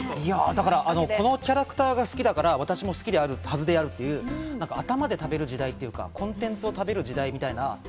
このキャラクターが好きだから、私も好きであるはずであるっていう頭で食べる時代っていうか、コンテンツを食べる時代みたいな。